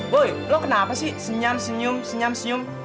boy lo kenapa sih senyam senyum senyam senyum